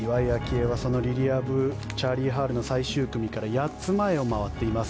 愛はそのリリア・ブチャーリー・ハルの最終組から８つ前を回っています。